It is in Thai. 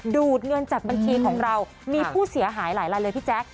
ดูดเงินจากบัญชีของเรามีผู้เสียหายหลายลายเลยพี่แจ๊ค